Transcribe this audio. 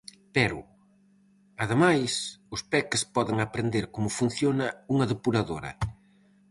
Pero, ademais, os peques poden aprenden como funciona unha depuradora.